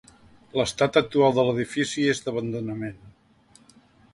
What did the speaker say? L’estat actual de l’edifici és d'abandonament.